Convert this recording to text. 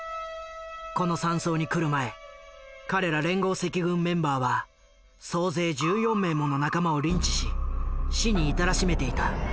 この山荘に来る前彼ら連合赤軍メンバーは総勢１４名もの仲間をリンチし死に至らしめていた。